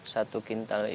satu kintal itu